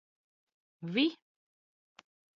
Vi?